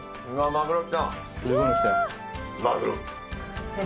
マグロ。